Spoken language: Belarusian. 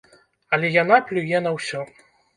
Але яна плюе на ўсё.